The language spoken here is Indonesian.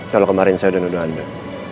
kalau kemarin saya sudah nuduh anda